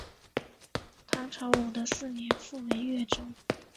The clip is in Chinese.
唐朝武德四年复为越州。